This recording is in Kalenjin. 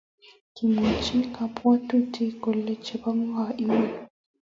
Kimwoch kabwatutik kole chebo ngo iman?